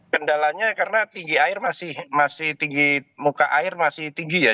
kendalanya karena tinggi air masih tinggi muka air masih tinggi ya